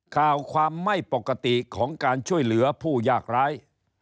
ข่าวความไม่ปกติของการช่วยเหลือผู้ยากร้าย